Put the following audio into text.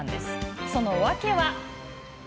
その訳は。